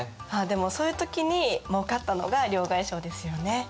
まあでもそういう時にもうかったのが両替商ですよね。